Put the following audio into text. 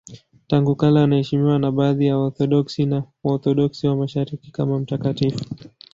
Tangu kale anaheshimiwa na baadhi ya Waorthodoksi na Waorthodoksi wa Mashariki kama mtakatifu.